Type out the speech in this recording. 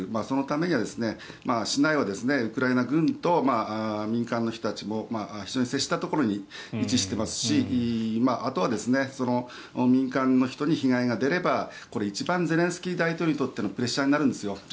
そのためには市内はウクライナ軍と民間の人たちが非常に接したところに位置していますしあとは、民間の人に被害が出れば一番ゼレンスキー大統領に対してのプレッシャーになるんですよ。